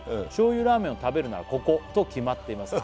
「醤油ラーメンを食べるならここと決まっています」